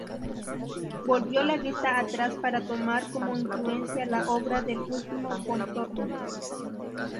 Volvió la vista atrás para tomar como influencia la obra del último Pontormo.